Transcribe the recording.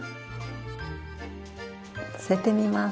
載せてみます。